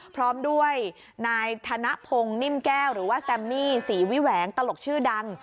พร้อมด้วยนายธนพงศ์นิ่มแก้วหรือว่าแซมมี่ศรีวิแหวงตลกชื่อดัง